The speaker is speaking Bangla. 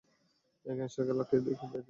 এই গ্যাংস্টার খেলার ইতি টানব।